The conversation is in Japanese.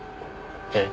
え？